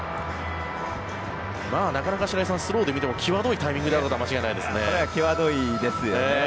なかなか白井さんスローで見ても際どいタイミングであることは間違いないですね。